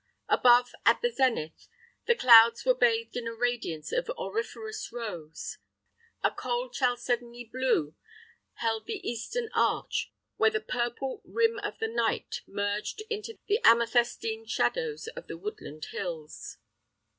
Above, at the zenith, the clouds were bathed in a radiance of auriferous rose. A cold chalcedony blue held the eastern arch, where the purple rim of the night merged into the amethystine shadows of the woodland hills.